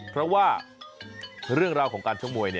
เพราะว่าเรื่องราวของการชกมวย